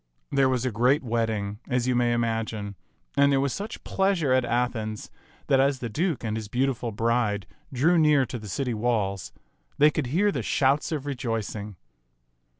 There was a great wedding, as you may imagine ; and there t^t Mmi^f0 t(Kit 21 was such pleasure at Athens that as the Duke and his beautiful bride drew near to the city walls, they could hear the shouts of rejoicing.